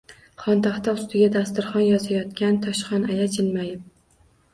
Xontaxta ustiga dasturxon yozayotgan Toshxon aya jilmayib.